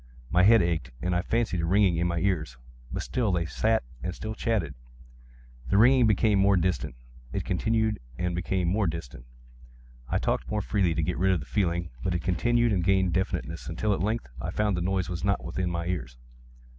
My head ached, and I fancied a ringing in my ears: but still they sat and still chatted. The ringing became more distinct:—it continued and became more distinct: I talked more freely to get rid of the feeling: but it continued and gained definiteness—until, at length, I found that the noise was not within my ears.